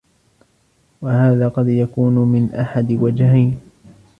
وَهَذَا قَدْ يَكُونُ مِنْ أَحَدِ وَجْهَيْنِ